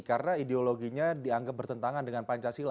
karena ideologinya dianggap bertentangan dengan pancasila